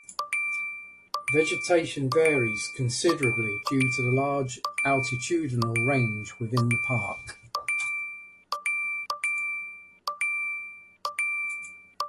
Vegetation varies considerably due to the large altitudinal range within the park.